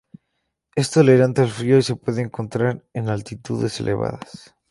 Es tolerante al frío y se puede encontrar en altitudes elevadas.